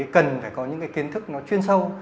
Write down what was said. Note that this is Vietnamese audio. cần phải có những kiến thức chuyên sâu